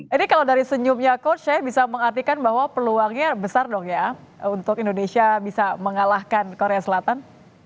ini kalau dari senyumnya coach saya bisa mengartikan bahwa peluangnya besar dong ya untuk indonesia bisa mengalahkan korea selatan